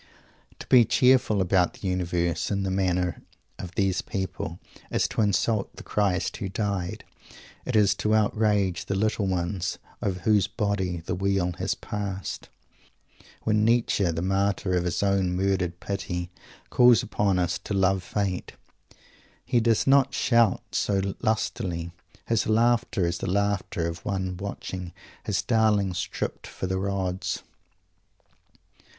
To be "cheerful" about the Universe in the manner of these people is to insult the Christ who died. It is to outrage the "little ones" over whose bodies the Wheel has passed. When Nietzsche, the martyr of his own murdered pity, calls upon us to "love Fate," he does not shout so lustily. His laughter is the laughter of one watching his darling stripped for the rods.